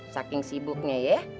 saking sibuknya ya